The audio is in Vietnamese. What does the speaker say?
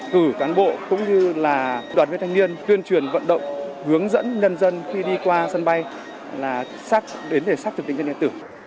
cử cán bộ cũng như là đoàn viên thanh niên tuyên truyền vận động hướng dẫn nhân dân khi đi qua sân bay là đến để xác thực định danh điện tử